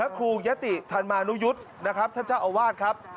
ครูยะติธรรมานุยุทธ์นะครับท่านเจ้าอาวาสครับ